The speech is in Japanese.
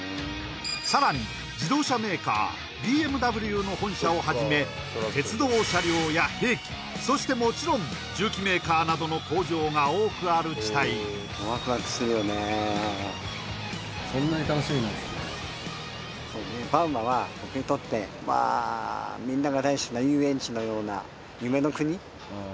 さらに自動車メーカーＢＭＷの本社をはじめ鉄道車両や兵器そしてもちろん重機メーカーなどの工場が多くある地帯まあ君疲れちゃってるの？